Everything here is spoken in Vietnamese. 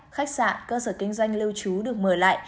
khách sạn cơ sở kinh doanh lưu trú được mở lại